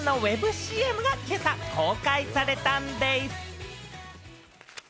ＣＭが今朝公開されたんでぃす。